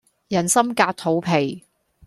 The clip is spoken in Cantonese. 人心隔肚皮